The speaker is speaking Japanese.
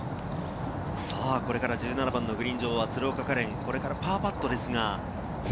これから１７番のグリーン上は鶴岡果恋、これがパーパットです。